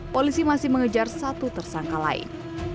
polisi masih mengejar satu tersangka lain